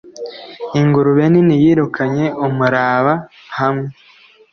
ingurube nini yirukanye umuraba hamwe